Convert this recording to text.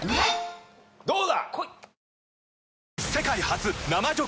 どうだ？